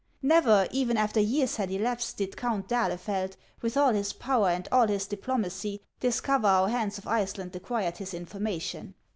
Never, even after years had elapsed, did Count d'Ahlefeld, with all his power and all his diplomacy, discover how Hans of Iceland acquired his information.